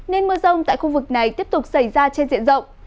nên mưa rông tại khu vực này tiếp tục xảy ra trên diện rộng